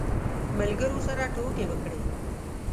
ملګرو سره ټوکې وکړې.